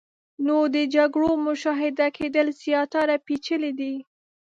نو د جګړو مشاهده کېدل زیاتره پیچلې دي.